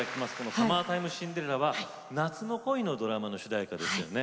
「サマータイムシンデレラ」は夏の恋のドラマの主題歌ですよね。